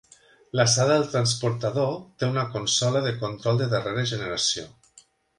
La sala del transportador té una consola de control de darrera generació.